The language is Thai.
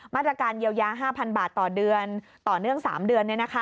มาตรการเยียวยา๕๐๐บาทต่อเดือนต่อเนื่อง๓เดือน